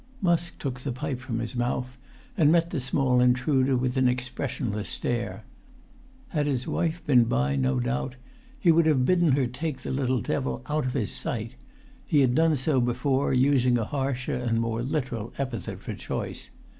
Musk took the pipe from his mouth, and met the small intruder with an expressionless stare. Had his wife been by, no doubt he would have bidden her take the little devil out of his sight; he had done so before, using a harsher and more literal epithet for choice.